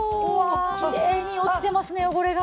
きれいに落ちてますね汚れが。